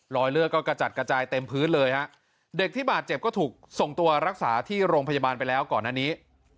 รอยเลือดก็กระจัดกระจายเต็มพื้นเลยฮะเด็กที่บาดเจ็บก็ถูกส่งตัวรักษาที่โรงพยาบาลไปแล้วก่อนหน้านี้